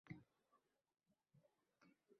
belgilangan shakldagi ariza-anketa;